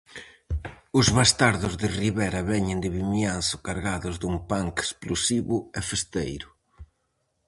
Os Bastardos de Rivera veñen de Vimianzo cargados dun punk explosivo e festeiro.